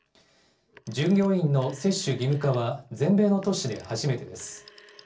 従業員の接種義務化は、全米の都市で初めてです。